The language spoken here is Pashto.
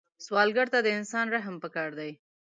سوالګر ته د انسان رحم پکار دی